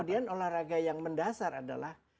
kemudian olahraga yang mendasar adalah